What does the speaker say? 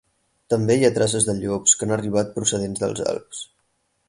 També hi ha traces de llops que han arribat procedents dels Alps.